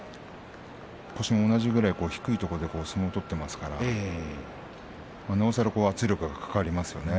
腰も同じぐらい低いところで相撲を取っていますから左からいい圧力がかかりますよね。